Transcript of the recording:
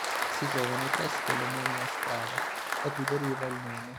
Si trova nei pressi dell'omonima strada, da cui deriva il nome.